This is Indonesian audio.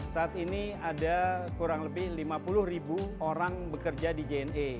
saat ini ada kurang lebih lima puluh ribu orang bekerja di jna